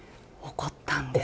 怒ったんです。